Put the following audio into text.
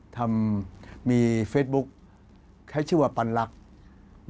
ทำมีเฟซบุ๊กใช้ชื่อว่าปันลักษณ์